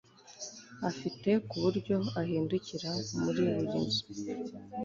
Afite kuburyo ahindukira muri buri nzu